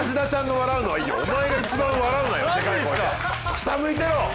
下向いてろ！